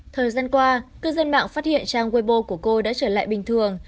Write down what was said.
thời gian qua cư dân mạng phát hiện trang wibo của cô đã trở lại bình thường